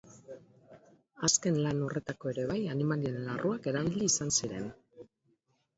Azken lan horretako ere bai animalien larruak erabili izan ziren.